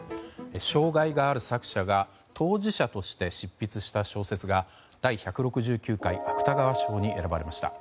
障害がある作者が当事者として執筆した小説が第１６９回芥川賞に選ばれました。